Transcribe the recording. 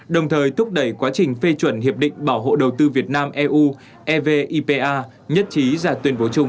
đồng thời thúc đẩy quá trình phê chuẩn hiệp định bảo hộ đầu tư việt nam eu evipa nhất trí ra tuyên bố chung